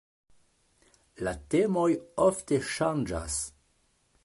La temoj ofte ŝanĝas.